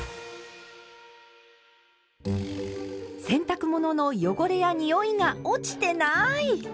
洗濯物の汚れやにおいが落ちてない！